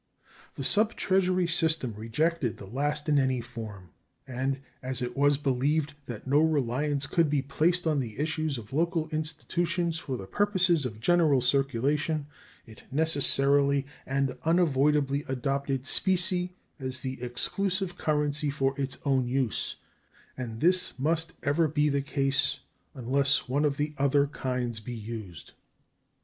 The subtreasury system rejected the last in any form, and as it was believed that no reliance could be placed on the issues of local institutions for the purposes of general circulation it necessarily and unavoidably adopted specie as the exclusive currency for its own use; and this must ever be the case unless one of the other kinds be used.